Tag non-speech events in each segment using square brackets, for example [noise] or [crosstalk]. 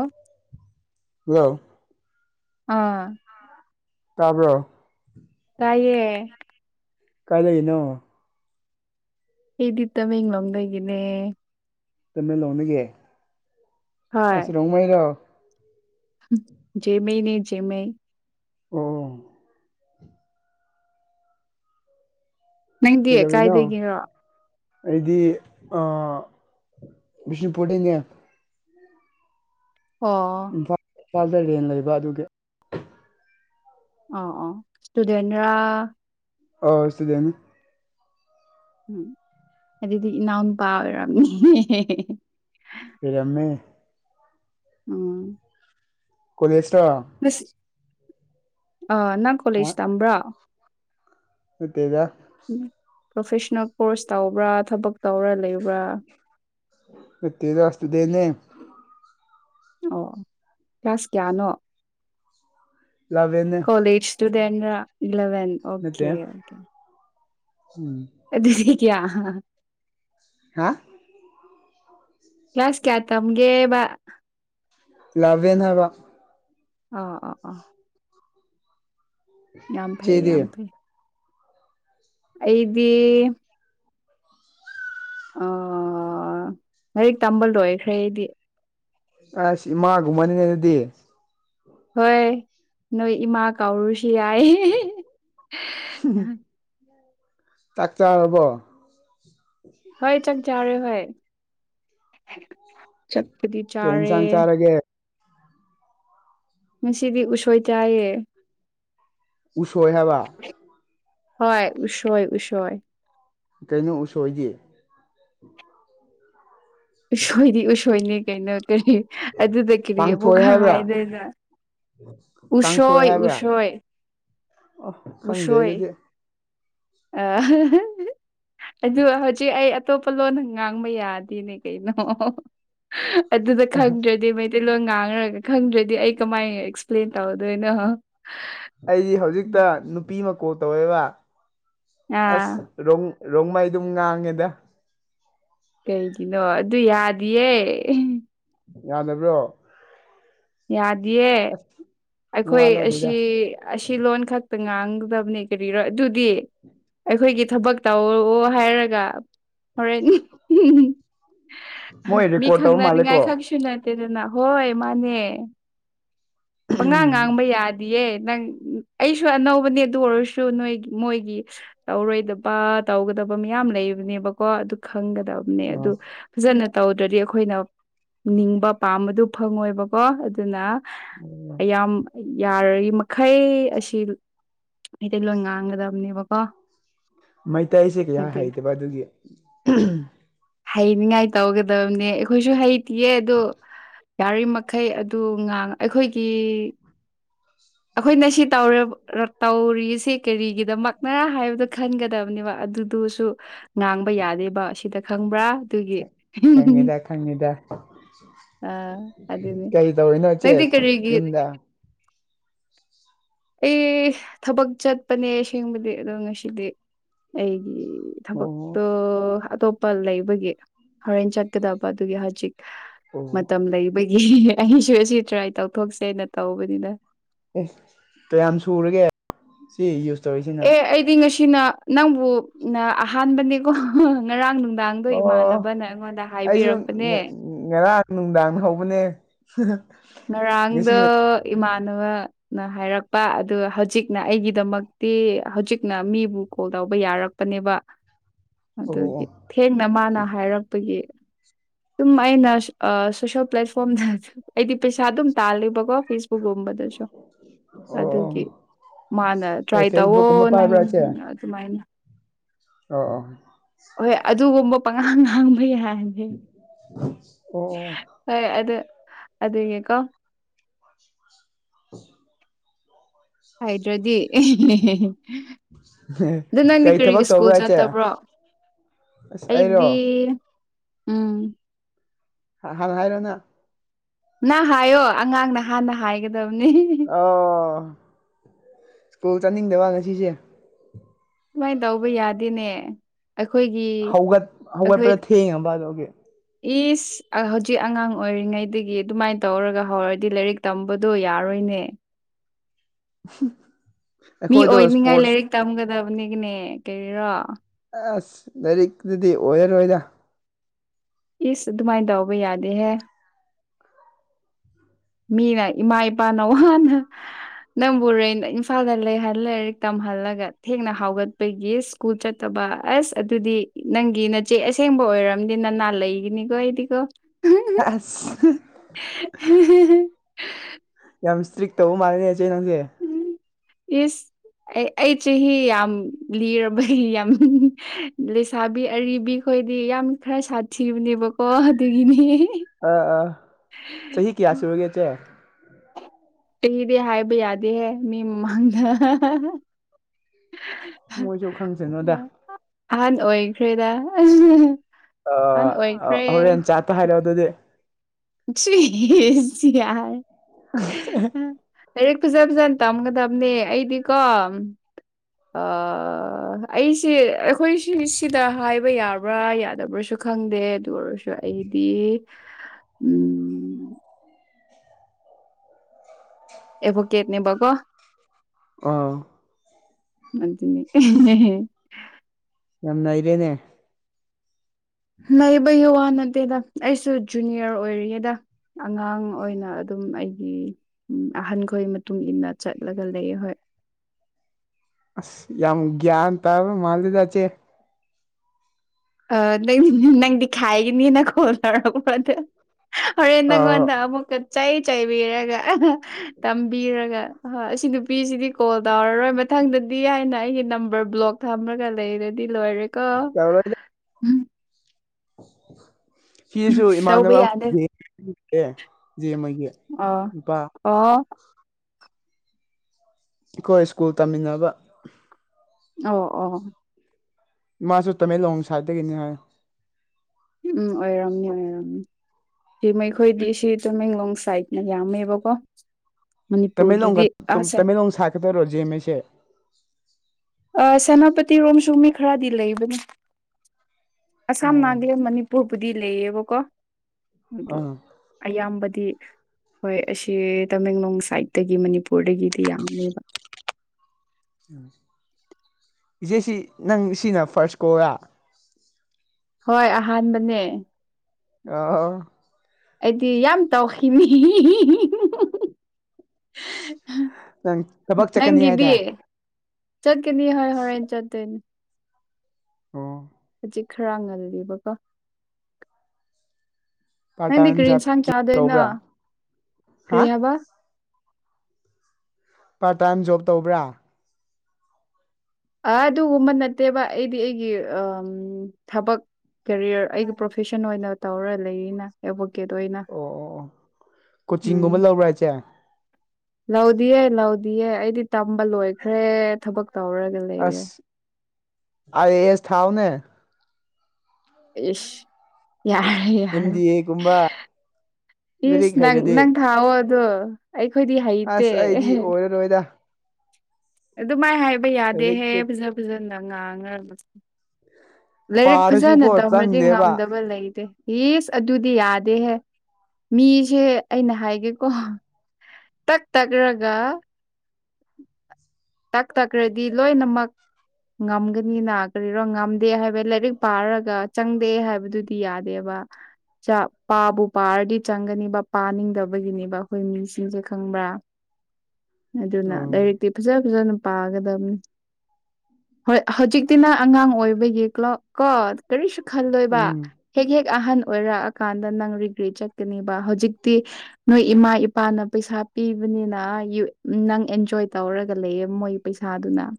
ꯑꯣ ꯌꯥꯎ ꯑꯥ ꯇꯥꯔꯕ꯭ꯔꯣ ꯀꯥꯏꯌꯦꯦ ꯀꯥꯏ ꯂꯩꯅꯣ ꯍꯠꯇ ꯃꯪ ꯂꯪꯗꯒꯅꯦ ꯇꯅ ꯂꯧꯅꯒꯦ ꯑꯁꯂꯣ ꯃꯥꯏꯔꯣ ꯃꯦꯅꯦ ꯃꯦ ꯑꯣ ꯅꯪꯗꯤ ꯀꯩꯗꯧꯔꯤꯅꯣ ꯀꯥꯏꯗꯒꯤꯔꯣ ꯑꯩꯗꯤ ꯁꯤꯡ ꯄꯣꯔꯇꯅꯦ ꯑ ꯏꯝꯐꯥꯜ ꯏꯝꯐꯥꯜꯗ ꯔꯦꯟ ꯂꯩꯕ ꯑꯗꯨꯒꯤ ꯑ ꯑ ꯏꯁꯇꯨꯗꯦꯦꯟ ꯔ ꯑ ꯁꯤꯗꯅꯤ ꯎꯝ ꯑꯗꯨꯗꯤ ꯏꯅꯥꯎ ꯅꯨꯨꯄꯥ ꯑꯣꯏꯔꯝꯅꯤ ꯐ ꯑꯃ ꯎꯝ ꯀꯣꯂꯦꯁ꯭ꯔ ꯑ ꯅꯪ ꯀꯣꯂꯦꯖ ꯇꯝꯕ꯭ꯔꯣ ꯄꯦꯖ ꯄ꯭ꯔꯣꯐꯦꯁꯅꯦꯜ ꯀꯣꯔꯁ ꯇꯧꯕ꯭ꯔꯥ ꯊꯕꯛ ꯇꯧꯔꯥ ꯂꯩꯕ꯭ꯔꯥ ꯐꯇꯤ ꯔꯥꯁꯇ ꯅꯩꯅꯦ ꯑꯣ ꯀ꯭ꯂꯥꯁ ꯀꯌꯥꯅꯣ ꯂꯕꯦꯟ ꯇꯨ ꯊ ꯏꯂꯕꯟ ꯑꯣꯀꯦ ꯑꯣꯦ ꯎꯝ ꯀꯌꯥ ꯍꯥ ꯍꯥ ꯀ꯭ꯂꯁ ꯀꯌꯥ ꯇꯝꯒꯦ ꯂꯕ ꯌꯦꯅ ꯍꯥꯏꯕ ꯑꯥ ꯑꯥ ꯑꯥ ꯌꯥꯝ ꯐꯩ ꯏꯆꯦꯗꯤ ꯌꯥꯝ ꯐꯩ ꯑꯩꯗꯤ ꯑꯣ ꯂꯥꯏꯔꯤꯛ ꯇꯝꯕ ꯂꯣꯏꯈ꯭ꯔꯦꯗꯤ ꯑ ꯏꯃꯥ ꯨꯝꯃꯅꯤꯅꯦ ꯑꯗꯨꯗꯤ ꯍꯣꯏ ꯅꯣꯏ ꯏꯃꯥ ꯀꯥꯎꯔꯨꯁꯤ ꯌꯥꯏ ꯇꯥꯛꯇꯥꯔꯔꯔꯕꯣ ꯍꯣꯏ ꯆꯪ ꯆꯔꯦ ꯍꯣꯏ ꯆꯠꯄꯗꯤ ꯀꯩ ꯆꯥꯔꯦ ꯏꯟꯁꯥꯡ ꯆꯥꯔꯒꯦ ꯉꯁꯤꯗꯤ ꯎꯁꯣꯏ ꯆꯥꯏꯌꯦ ꯎꯁꯣꯏ ꯍꯦꯕ ꯍ ꯎꯁꯣꯏ ꯎꯁꯣꯏ ꯀꯩꯅꯣ ꯎꯁꯣꯏꯗꯦ ꯎꯁꫭꯏꯗ ꯎꯁꫭꯏꯅꯤ ꯀꯩꯅꫭ ꯀꯔꯤ ꯑꯗꯨꯗ ꯀꯔꯤ ꯑꯃꯨꯛ ꯀꯥꯡꯁꯣꯏ ꯍꯥꯏꯕ꯭ꯔꯥ ꯍꯥꯏꯗꯅ ꯎꯁꯣꯏ ꯎꯁꯣꯏ ꯑꫭ ꯈꯪꯗꯔ‌ꯦ ꯎꯁꯣꯏ ꯑꯗꯨꯗꯤ ꯑ ꯑꯗꯨ ꯍꯧꯖꯤꯛ ꯑꯩ ꯑꯇꯣꯞꯄ ꯂꯣꯟꯅ ꯉꯥꯡꯕ ꯌꯥꯗꯦꯅꯦ ꯀꯩꯅꯣ ꯑꯗꯨꯗ ꯈꯪꯗ꯭ꯔꯗꯤ ꯃꯩꯇꯩꯂꯣꯟ ꯉꯥꯡꯈ꯭ꯔꯒ ꯈꯪꯗ꯭ꯔꯗꯤ ꯑꯩ ꯀꯃꯥꯏꯅ ꯑꯦꯛꯁꯄ꯭ꯂꯦꯟ ꯇꯧꯗꯣꯏꯅꯣ ꯑꯩꯗꯤ ꯍꯧꯖꯤꯛꯇ ꯅꯨꯄꯤꯃ ꯀꯣꯟ ꯇꯧꯋꯦꯕ ꯑꯥ ꯑꯁ ꯔꯣꯡ ꯔꯣꯡꯃꯩ ꯑꯗꯨꯝ ꯉꯥꯡꯉꯦꯗ ꯀꯩꯒꯤꯅꯣ ꯑꯗꯨ ꯌꯥꯗꯤꯌꯦ ꯌꯥꯗꯕ꯭ꯔꯣ ꯌꯥꯗꯤꯌꯦ ꯑꯁ ꯋꯥ ꯑꯩꯈꯣꯏ ꯂꯧꯗꯦꯗ ꯑꯁꯤ ꯑꯁꯤ ꯂꯣꯟ ꯈꯛ ꯈꯛꯇ ꯉꯥꯡꯒꯗꯕꯅꯤ ꯀꯔꯤꯔ ꯑꯗꯨꯗꯤ ꯑꯩꯈꯣꯏꯒꯤ ꯊꯕꯛ ꯇꯧꯔꯑꯣ ꯍꯥꯏꯔꯒ ꯍꯔꯦꯟ ꯃꯣꯏ ꯃꯤ ꯔꯦꯀꯣꯔꯠ ꯇꯧꯕ ꯈꯪꯅꯅꯤꯉꯥꯏ ꯃꯥꯜꯂꯦꯀꯣ ꯈꯛꯁꯨꯅ ꯇꯦꯗꯅ ꯍꯣꯏ ꯃꯥꯅꯦ ꯄꯉꯥꯡ ꯉꯥꯡꯕ ꯌꯥꯗꯤꯌꯦ ꯅꯪ ꯑꯩꯁꯨ ꯑꯅꯧꯕꯅꯦ ꯑꯗꯨ ꯑꯣꯏꯔꯁꯨ ꯅꯣꯏ ꯃꯣꯏꯒꯤ ꯇꯧꯔꯣꯏꯗꯕ ꯇꯧꯒꯗ ꯗꯕ ꯃꯌꯥꯝ ꯂꯩꯕꯅꯦꯕꯀꯣ ꯑꯗꯨ ꯈꯪꯒꯗꯕꯅꯦ ꯑꯗꯨ ꯑꯣ ꯐꯖꯅ ꯇꯧꯗ꯭ꯔꯗꯤ ꯑꯩꯈꯣꯏꯅ ꯅꯤꯡꯕ ꯄꯥꯝꯕꯗꯨ ꯐꯪꯉꯣꯏꯕꯀꯣ ꯑꯗꯨꯅ ꯎꯝ ꯑꯌꯥꯝ ꯌꯥꯔꯔꯤ ꯃꯈꯩ ꯑꯁꯤ ꯃꯤꯇꯩ ꯂꫭꯟ ꯉꯥꯡꯒꯗꯕꯅꯦꯕꯀꯣ ꯃꯩꯇꯩꯁꯦ ꯀꯌꯥ ꯑꯗꯨ ꯍꯩꯇꯕ ꯑꯗꯨꯒꯤ ꯍꯩꯅꯤꯡꯉꯥꯏ ꯇꯧꯒꯗꯕꯅꯦ ꯑꯩꯈꯣꯏꯁꯨ ꯍꯩꯇꯤꯌꯦ ꯑꯗꯣ ꯌꯥꯔꯤꯃꯩ ꯑꯗꯨ ꯉꯥꯡ ꯑꯩꯈꯣꯏꯒꯤ ꯑꯩꯈꯣꯏꯅ ꯁꯤ ꯇꯧꯔꯕ ꯇꯧꯔꯤ ꯍ‌ꯦ ꯀꯔꯤꯒꯤꯗꯃꯛꯅ ꯍꯥꯏꯕꯗꯣ ꯈꯟꯒꯗꯕꯅꯦꯕ ꯑꯗꯨꯗꯨꯁꯨ ꯉꯥꯡꯕ ꯌꯥꯗꯦꯕ ꯁꯤꯗ ꯈꯪꯕ꯭ꯔꯥ ꯑꯗꯨꯒꯤ ꯈꯪꯉꯤꯗ ꯈꯪꯉꯤꯗ ꯑ ꯑꯗꯨꯅꯤ ꯀꯩ ꯇꯧꯔꯤꯅꯣ ꯏꯆꯦ ꯅꯪꯗꯤ ꯀꯔꯤꯒꯤ ꯌꯨꯝꯗ ꯑꯩ ꯊꯕꯛ ꯆꯠꯄꯅꯦ ꯑꯁꯦꯡꯕꯗꯤ ꯑꯗꯣ ꯉꯁꯤꯗꯤ ꯑꯩ ꯑꯣ ꯊꯕꯛꯇꯣ ꯑꯇꯣꯞꯄ ꯂꯩꯕꯒꯤ ꯍꯣꯔꯦꯟ ꯆꯠꯀꯗꯕ ꯑꯗꯨꯒꯤ ꯍꯧꯖꯤꯛ ꯑꯣ ꯃꯇꯝ ꯂꯩꯕꯒꯤ ꯑꯩꯁꯨ ꯑꯁꯤ ꯇ꯭ꯔꯥꯏ ꯇꯧꯊꯣꯛꯁꯦꯅ ꯇꯧꯕꯅꯤꯅ ꯑꯦ ꯀꯌꯥꯝ ꯁꯨꯔꯒꯦ ꯁꯤ ꯌꯨ ꯑꯦ ꯑꯩꯗꯤ ꯉꯁꯤꯅ ꯅꯪꯕꯨ ꯑꯍꯥꯟꯕꯅꯦꯀꯣ ꯉꯔꯥꯡ ꯅꯨ ꯅꯨꯡꯗꯥꯡꯗꯣ ꯑꯣ ꯏꯃꯥꯟꯅꯕꯅ ꯑꯩꯉꯣꯟꯗ ꯑꯩꯁꯨ ꯍꯥꯏꯕꯤꯔꯛꯄꯅꯦ ꯉ ꯉꯔꯥꯡ ꯅꯨꯡꯗꯥꯡ ꯍꯥꯎꯧꯕꯅꯦ ꯉꯔꯥꯡꯗꫭ ꯏꯃꯥꯟꯅꯕ ꯅ ꯍꯥꯏꯔꯛꯄ ꯑꯗꯨ ꯍꯧꯖꯤꯛꯅ ꯑꯩꯒꯤꯗꯃꯛꯇꯤ ꯍꯧꯖꯤꯛꯅ ꯃꯤꯕꯨ ꯀꯣꯜ ꯇꯧꯕ ꯌꯥꯔꯛꯄ ꯅꯦꯕ ꯑꯣ ꯑꯣ ꯑꯣ ꯑꯗꯨꯒꯤ ꯊꯦꯡꯅ ꯃꯥꯅ ꯍꯥꯏꯔꯛꯄꯒꯤ ꯁꯨꯝ‌ ꯑꯩꯅ ꯁꯣꯁꯦꯜꯄ꯭ꯂꯦꯠꯐꯣꯝꯗ ꯑꯩꯗꯤ ꯄꯩꯁꯥ ꯑꯗꯨꯝ ꯇꯥꯜꯂꯦꯕꯀꯣ ꯐꯦꯁꯕꯨꯛꯒꯨꯝꯕꯗꯁꯨ ꯑꯣ ꯑꯗꯨꯒꯤ ꯃꯥꯅ ꯑꯦ ꯇ꯭ꯔꯥꯏ ꯇꯧꯋꯣ ꯐꯦꯁꯕꯨꯛꯀꯨꯝꯕ ꯅꯪ ꯄꯥꯏꯕ꯭ꯔꯥ ꯏꯆꯦ ꯑꯣ ꯑꯗꯨꯃꯥꯏꯅ ꯑꯣ ꯑꯣ ꯍꯣꯏ ꯑꯗꯨꯒꯨꯝꯕ ꯄꯉꯥꯡ ꯉꯥꯡꯕ ꯌꯥꯏ ꯑꯣ ꯍꯣꯏ ꯑꯗꯨ ꯑꯗꯨꯏꯅ‌ꯦꯀꯣ ꯎ [unintelligible] ꯍꯥꯏꯗ꯭ꯔꯗꯤ ꯑꯦꯍ‌ꯦ ꯑꯗ ꯅꯪꯗꯤ ꯀꯔꯤ ꯀꯔꯤꯒꯤ ꯊꯕꯛ ꯁ꯭ꯀꯨꯜ ꯇꯧꯕ꯭ꯔꯥ ꯏꯆꯦ ꯆꯠꯇꯕ꯭ꯔꯣ ꯑꯁ ꯑꯩꯔꯣ ꯑꯩꯗꯗꯤ ꯎꯝ ꯍꯥꯍꯜ ꯍꯥꯏꯔꯣꯅ ꯅ ꯍꯥꯏꯌꯣ ꯑꯉꯥꯡ ꯅꯍꯥꯟꯅ ꯍꯥꯏꯒꯗꯕꯅꯤ ꯑꯣ ꯁ꯭ꯀꯨꯜ ꯆꯠꯅꯤꯡꯗꯕ ꯉꯁꯤꯁꯦ ꯁꯨꯃꯥꯏꯅ ꯇꯧꯕ ꯌꯥꯗꯦꯅꯦ ꯑꯩꯈꯣꯏꯒꯤ ꯍꯧꯒꯠ ꯑꯩꯈꯣꯏ ꯍꯧꯒꯠꯄꯗ ꯊꯦꯡꯉꯕ ꯑꯗꯨꯒꯤ ꯏꯁ ꯍꯧꯖꯤꯛ ꯑꯉꯥꯡ ꯑꯣꯏꯔꯤꯉꯩꯗꯒꯤ ꯑꯗꯨꯃꯥꯏꯅ ꯇꯧꯔꯒ ꯍꯧꯔꯗꯤ ꯂꯥꯏꯔꯤꯛ ꯇꯝꯕꯗꯣ ꯌꯥꯔꯣꯏꯅꯤ [inaudible] [inaudible] ꯃꯤ ꯑꯣꯏꯅꯤꯡꯉꯥꯏ ꯏꯁꯄꯣꯔꯠꯁ ꯂꯥꯏꯔꯤꯛ ꯇꯝꯒꯗꯕꯅꯤꯒꯤꯅꯦ ꯀꯔꯤꯔꯣ ꯑꯁ ꯂꯥꯏꯔꯤꯛꯇꯨꯗꯤ ꯑꯣꯏꯔꯔꯣꯏꯗ ꯏꯁ ꯑꯗꯨꯃꯥꯏꯟꯗꯥꯎꯕ ꯌꯥꯗꯦ ꯍꯥꯏ ꯃꯤꯅ ꯏꯃꯥ ꯏꯄꯥꯅ ꯋꯥꯅ ꯅꯪꯕꯨꯣꯔꯦꯩꯅ ꯏꯝꯐꯥꯜꯗ ꯂꯩꯍ ꯂꯥꯏꯔꯤꯛ ꯇ ꯍꯜꯂꯒ ꯊꯦꯡꯅ ꯍꯥꯎꯒꯠꯄꯒꯤ ꯁ꯭ꯀꯨꯜ ꯆꯠꯇꯕ ꯑꯁ ꯑꯗꯨꯗꯤ ꯅꯪꯒꯤ ꯅꯆꯦ ꯑꯁꯦꯡꯕ ꯍ ꯑꯣꯏꯔꯝꯗꯤ ꯅ ꯅ ꯂꯩꯒꯤꯅꯤꯒꯣ ꯏꯗꯤꯒꯣ ꯑꯁ [unintelligible] ꯌꯥꯝ ꯏꯁꯇ꯭ꯔꯤꯛ ꯇꯧꯕ ꯃꯥꯜꯜꯂꯤꯦꯅꯦ ꯏꯆꯦ ꯅꯪꯁꯦ ꯏꯁ ꯑꯩ ꯑꯩ ꯆꯍꯤ ꯌꯥꯝ ꯂꯤꯔꯕꯔꯕ ꯌꯥꯝ ꯂꯩꯁꯥꯕꯤ ꯑꯔꯤꯕꯤ ꯑꯩꯈꯣꯏꯗꯤ ꯌꯥꯝ ꯈꯔ ꯁꯥꯊꯤꯕꯅꯦꯕꯀꯣ ꯑꯗꯨꯒꯤꯅꯦ ꯑ ꯑꯥ ꯆꯍꯤ ꯀꯌꯥ ꯁꯨꯔꯒꯦꯆꯦ ꯀꯗꯤ ꯍꯥꯏꯕ ꯌꯥꯗꯦꯍꯦ ꯃꯤ ꯃꯃꯥꯡꯗ ꯃꯣꯏꯁꯨ ꯈꯪꯁꯅꯣꯗ ꯑꯍꯥꯟ ꯑꯣꯏꯈ꯭ꯔꯦꯗ ꯑ ꯑꯣꯏꯈ꯭ꯔꯦ ꯍꯣꯔꯦꯟꯦꯟ ꯆꯥꯇ ꯍꯥꯏ ꯂꯧꯑꯣ ꯑꯗꯨꯗꯤ ꯁꯁꯁꯤ ꯌꯥ ꯂꯥꯏꯔꯤꯛ ꯐꯖ ꯐꯖꯅ ꯇꯝꯒꯗꯕꯅꯦ ꯑꯩꯗꯤꯀꯣ ꯑꯩꯁꯦ ꯑꯩꯈꯣꯏ ꯁꯤ ꯁꯤꯗ ꯍꯥꯏꯕ ꯌꯥꯕ꯭ꯔꯥ ꯌꯥꯗꯕ꯭ꯔꯥꯁꯨ ꯈꯪꯗꯦ ꯑꯗꯨ ꯑꯣꯏꯔꯁꯨ ꯑꯩꯗꯤ ꯎꯝ ꯑꯦꯚꯣꯀꯦꯠꯅꯦ ꯑꯥ ꯃ ꯉꯏꯔꯦꯅꯦ ꯂꯩꯕꯒꯤ ꯋꯥ ꯅꯠꯇꯦꯗ ꯑꯩꯁꯨ ꯖꯨꯅꯤꯌꯔ ꯑꯣꯏꯔꯤꯌꯦꯦꯗ ꯑꯉꯥꯡ ꯑꯣꯏꯅ ꯑꯗꯨꯝ ꯑꯩꯒꯤ ꯑꯍꯟꯈꯣꯏ ꯃꯇꯨꯡ ꯏꯟꯅ ꯆꯠꯂꯒ ꯂꯩ ꯍꯣꯏ [inaudible] ꯑꯁ ꯌꯥꯝ ꯭ꯌꯥꯟ ꯇꯥꯕ ꯃꯥꯜꯗꯦꯗꯥꯆꯦ ꯑ ꯅꯪ ꯅꯪꯗꯤ ꯈꯥꯏꯒꯅꯤꯅ ꯀꯣꯜꯅꯔꯗ ꯍꯔꯦꯟ ꯑꯥ ꯅꯪꯣꯟꯗ ꯑꯃꯛꯀ ꯆꯩ ꯆꯩꯕꯤꯔꯒ ꯇꯝꯕꯤꯔꯒ ꯍꯣꯏ ꯑꯁꯤ ꯅꯨꯄꯤꯁꯤꯗꯤ ꯀꯣꯜ ꯇꯧꯔꯔꯣꯏ ꯃꯊꯪꯗꯗꯤ ꯍꯥꯏꯅ ꯑꯩꯒꯤ ꯅꯝꯕꯔ ꯕ꯭ꯂꯣꯛ ꯊꯝꯃꯒ ꯂꯩꯔꯗꯤ ꯂꯣꯏꯔꯦꯀꯣ ꯐꯤꯁꯨ ꯇꯧꯕ ꯏꯃꯥꯟꯅꯕ ꯑꯃ ꯌꯥꯗꯦ ꯦ ꯑꯃꯒꯤꯒꯤ ꯑꯣ ꯅꯨꯄꯥ ꯑꯣ ꯑꯩꯈꯣꯏ ꯁ꯭ꯀꯨꯜ ꯇꯝꯅꯤꯡꯉꯕ ꯑꯣ ꯑꯣ ꯃꯥꯁꯨ ꯇꯃꯦꯡꯂꯣꯡ ꯁꯥꯏꯠꯇꯒꯤꯅꯤ ꯍꯥꯏ ꯎꯝ ꯑꯣꯏꯔꯝꯅꯤ ꯑꯣꯏꯔꯝꯅꯤ ꯁꯤ ꯃꯈꯈꯣꯏꯗꯤ ꯁꯤ ꯇꯃꯦꯡꯂꯣꯡ ꯁꯥꯏꯠꯅ ꯌꯥꯝꯃꯦꯕꯀꯣ ꯇꯃꯦꯡꯂꯣꯡ ꯃꯅꯤꯄꯨꯔꯒꯤꯗꯤ ꯑꯁꯦ ꯇꯃꯦꯡꯂꯣꯡ ꯁꯥꯀꯗꯣꯏꯔꯣ ꯦꯃꯦꯁꯦ ꯁꯦꯅꯥꯄꯇꯤꯔꯣꯝꯁꯨ ꯃꯤ ꯈꯔꯗꯤ ꯂꯩꯕꯅꯤ ꯑꯁꯥꯝ ꯑꯣ ꯃꯥꯡꯗꯦ ꯃꯅꯤꯄꯨꯔꯕꯨꯗꯤ ꯂꯩꯌꯦꯕꯀꯣ ꯑꯗꯨ ꯑꯥ ꯑꯌꯥꯝꯕꯗꯤ ꯇ ꯍꯣꯏ ꯑꯁꯤ ꯇꯃꯦꯡꯂꯣꯡ ꯁꯥꯏꯠꯇꯒꯤ ꯃꯅꯤꯄꯨꯔꯗꯒꯤꯗꯤ ꯌꯥꯝꯃꯦꯕ ꯎꯝ ꯏꯆꯦꯁꯤ ꯅꯪ ꯁꯤꯅ ꯐꯥꯔꯁ ꯀꯣꯔ ꯍꯣꯏ ꯑꯍꯥꯟꯕꯅꯦ ꯑꯥ ꯑꯩꯗꯤ ꯌꯥꯝ ꯇꯧꯈꯤꯅꯤ ꯅꯪ ꯊꯕꯛ ꯆꯠꯀꯅꯤ ꯅꯪꯒꯤꯗꯤ ꯍꯥꯏꯗꯥꯏ ꯆꯠꯀꯅꯤ ꯍꯣꯏ ꯍꯣꯔꯦꯟ ꯆꯠꯇꯣꯏꯅꯤ ꯑꯣ ꯆꯤꯛ ꯈꯔꯥꯡ ꯉꯜꯕꯀꯣ ꯄꯥꯔꯠ ꯅꯪꯗꯤ ꯇꯥꯏꯝ ꯀꯒꯥꯔꯤ ꯏꯟꯁꯥꯡ ꯖꯣꯕ ꯆꯥꯗꯣꯏꯅ ꯇꯧꯕ꯭ꯔꯥ ꯍꯥ ꯀꯔꯤ ꯍꯥꯏꯕ ꯄꯥꯔꯠ ꯇꯥꯏꯝ ꯖꯣꯕ ꯇꯧꯕ꯭ꯔꯥ ꯑ ꯑꯗꯨꯒꯨꯝꯕ ꯅꯠꯇꯦꯕ ꯑꯩꯗꯤ ꯑꯩꯒꯤ ꯊꯕꯛ ꯀꯦꯔꯤꯌꯔ ꯑꯩꯒꯤ ꯄ꯭ꯔꯣꯐꯦꯁꯟ ꯑꯣꯏꯅ ꯇꯧꯔ ꯂꯩꯔꯤꯅ ꯑꯣꯏꯅ ꯑꯣ ꯑꯣ ꯀꯣꯆꯤꯡꯒꯨꯝꯕ ꯂꯧꯕ꯭ꯔꯥ ꯍꯥꯏꯁꯦ ꯂꯧꯗꯤꯌꯦꯦ ꯂꯧꯗꯤꯌꯦ ꯑꯩꯗꯤ ꯇꯝꯕ ꯂꯣꯏꯈ꯭ꯔꯦ ꯊꯕꯛ ꯇꯧꯔꯒꯦ ꯑꯁ ꯑ ꯑꯦꯁ ꯊꯥꯎꯅꯦ ꯏ ꯌꯥꯔ ꯑꯦꯟ ꯌꯥꯔ ꯗꯤ ꯑꯦꯒꯨꯝꯕ ꯏꯁ ꯂꯥꯏꯔꯤꯛ ꯅꯪ ꯍꯩꯔꯗꯤ ꯅꯪ ꯊꯥꯛꯑꯣ ꯑꯗꯣ ꯑꯩꯈꯣꯏꯗꯤ ꯍꯩꯇꯦ ꯈꯨꯗ ꯑꯗꯨꯃꯥꯏ ꯍꯥꯏꯕ ꯌꯥꯗꯦꯍꯦ ꯐꯖ ꯐꯖꯅ ꯉꯥꯡ ꯉ ꯂꯥꯏꯔꯤꯛ ꯐꯖꯅ ꯄꯥꯔꯁꯨꯀꯣ ꯇꯝꯃ꯭ꯔꯗꯤ ꯆꯪꯗꯦꯕ ꯉꯝꯗꯕ ꯂꯩꯇꯦ ꯌꯦꯁ ꯑꯗꯨꯗꯤ ꯌꯥꯗꯦꯍꯦ ꯃꯤꯁꯦ ꯑꯩꯅ ꯍꯥꯏꯒꯦꯀꯣ ꯇꯛ ꯇꯒ꯭ꯔꯒ ꯇꯥꯛ ꯇꯛꯈ꯭ꯔꯗꯤ ꯂꯣꯏꯅꯃꯛ ꯉꯝꯒꯅꯤꯅ ꯀꯔꯤꯔꯣ ꯉꯝꯗꯦ ꯍꯥꯏꯕ ꯂꯥꯏꯔꯤꯛ ꯄꯥꯔꯒ ꯆꯪꯗꯦ ꯍꯥꯏꯕꯗꯨꯗꯤ ꯌꯥꯗꯦꯕ [unintelligible] ꯄꯥꯕꯨ ꯄꯥꯔꯗꯤ ꯆꯪꯒꯅꯤꯕ ꯄꯥꯅꯤꯡꯗꯕꯒꯤꯅꯤꯕ ꯑꯩꯈꯣꯏ ꯃꯤꯁꯤꯡꯁꯦ ꯈꯪꯕ꯭ꯔꯥ ꯑꯗꯨꯅ ꯎꯝ ꯂꯗꯥꯏꯔꯦꯛꯇꯤ ꯐꯖ ꯐꯖꯅ ꯄꯥꯒꯗꯕꯅꯤ ꯍꯣꯏ ꯍꯧꯖꯤꯛꯇꯤ ꯅ ꯑꯉꯥꯡ ꯑꯣꯏꯕꯒꯤ ꯀ꯭ꯂꯣ ꯀꯣ ꯀꯔꯤꯁꯨ ꯈꯜꯂꯣꯏꯕ ꯎꯝ ꯍꯦꯛ ꯍꯦꯛ ꯑꯍꯟ ꯑꯣꯏꯔꯛꯑꯀꯥꯟꯗ ꯅꯪ ꯔꯤꯒ꯭ꯔꯤ ꯆꯠꯀꯅꯦꯕ ꯍꯧꯖꯤꯛꯇꯤ ꯅꯣꯏ ꯏꯃꯥ ꯏꯄꯥꯅ ꯄꯩꯁꯥ ꯄꯤꯕꯅꯤꯅ ꯅꯪ ꯑꯦꯟꯖꯣꯏ ꯇꯧꯔꯒ ꯂꯩꯌꯦ ꯃꯣꯏ ꯄꯩꯁꯥ ꯊꯥꯗꯨꯅ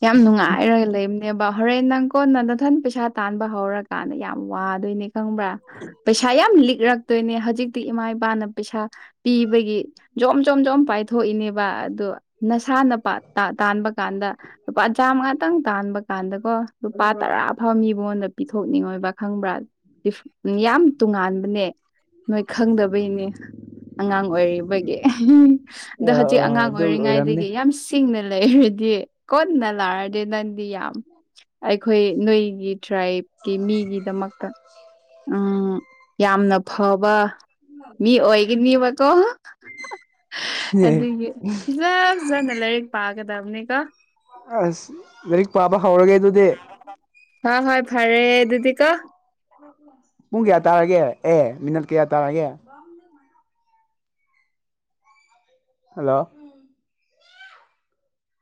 ꯌꯥꯝ ꯅꯨꯡꯉꯥꯏꯔ ꯂꯩꯕꯅꯦꯕ ꯍꯣꯔꯦꯟ ꯅꯪ ꯀꯣꯟꯅ ꯅꯥꯊꯟ ꯄꯩꯁꯥ ꯇꯥꯟꯕ ꯍꯧꯔꯀꯥꯟꯗ ꯌꯥꯝ ꯋꯥꯗꯣꯏꯅꯦ ꯈꯪꯕ꯭ꯔꯥ ꯄꯩꯁꯥ ꯌꯥꯝ ꯂꯤꯛꯔꯛꯇꯣꯏꯅꯦ ꯍꯧꯖꯤꯛ ꯏꯃꯥ ꯏꯄꯥꯅ ꯄꯩꯁꯥ ꯄꯤꯕꯒꯤ ꯖꯣꯝ ꯖꯣꯝ ꯖꯣꯝ ꯄꯥꯏꯊꯣꯛꯏꯅꯦꯕ ꯑꯗꯣ ꯅꯁꯥ ꯅꯄꯥꯠ ꯇꯥꯟꯕ ꯀꯥꯟꯗ ꯂꯨꯄꯥ ꯆꯥꯝꯃ ꯉꯇꯪ ꯇꯥꯟꯕ ꯀꯥꯟꯗꯀꯣ ꯂꯨꯄꯥ ꯇꯔꯥ ꯐꯕ ꯃꯤ ꯃꯉꯣꯟꯗ ꯄꯤꯊꯣꯛꯅꯤꯡꯉꯣꯏꯕ ꯈꯪꯕ꯭ꯔꯥ ꯌꯥꯝ ꯇꯣꯉꯥꯟꯕꯅꯦ ꯅꯣꯏ ꯈꯪꯗꯕꯩꯅꯦ ꯑꯉꯥꯡ ꯑꯣꯏꯔꯤꯕꯒꯤ ꯑꯗꯣ ꯑ ꯑ ꯍꯧꯖꯤꯛ ꯑꯉꯥꯡ ꯑꯗꯨ ꯑꯣꯏꯔꯝꯅꯤ ꯑꯣꯏꯔꯤꯉꯩꯗꯒꯤ ꯌꯥꯝ ꯁꯤꯡꯅ ꯂꯩꯔꯗꯤ ꯀꯅ ꯂꯥꯛꯑꯗꯤ ꯅꯪꯗꯤ ꯌꯥꯝ ꯑꯩꯈꯣꯏ ꯅꯣꯏꯒꯤ ꯇ꯭ꯔꯥꯏꯞ ꯀ ꯃꯤꯒꯤꯗꯃꯛꯇ ꯎꯝ ꯌꯥꯝꯅ ꯐꯕ ꯃꯤ ꯑꯣꯏꯒꯅꯦꯕꯀꯣ ꯑꯗꯨꯒꯤ ꯇ ꯄꯥꯒꯗꯕꯅꯤ ꯀ ꯑꯁ ꯂꯥꯏꯔꯤꯛ ꯄꯥꯕ ꯍꯧꯔꯒꯦ ꯑꯗꯨꯗꯤ ꯍ ꯍꯣꯏ ꯐꯔꯦ ꯤꯗꯤ ꯀꯣ ꯄꯨꯡ ꯀꯌꯥ ꯇꯥꯔꯒꯦ ꯑꯦ ꯃꯤꯅꯠ ꯀꯌꯥ ꯇꯥꯔꯒꯦ ꯍꯂꯣ